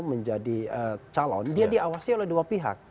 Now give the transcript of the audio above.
menjadi calon dia diawasi oleh dua pihak